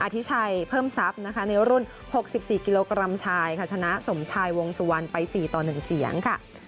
ทิชัยเพิ่มทรัพย์นะคะในรุ่น๖๔กิโลกรัมชายค่ะชนะสมชายวงสุวรรณไป๔ต่อ๑เสียงค่ะ